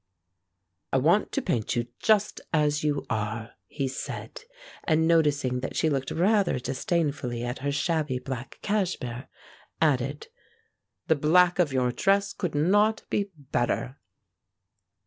"I want to paint you just as you are," he said, and noticing that she looked rather disdainfully at her shabby black cashmere, added, "The black of your dress could not be better."